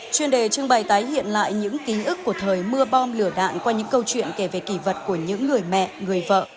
chuyên đề trưng bày tái hiện lại những ký ức của thời mưa bom lửa đạn qua những câu chuyện kể về kỷ vật của những người mẹ người vợ